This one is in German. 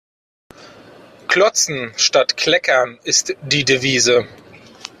Klotzen statt Kleckern ist die Devise.